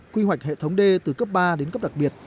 quy hoạch hệ thống đê từ cấp ba đến cấp đặc biệt